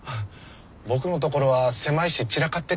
僕のところは狭いし散らかってて。